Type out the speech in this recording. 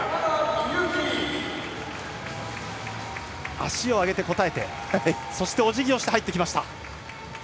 足を上げて応えてそして、おじぎをして入ってきました。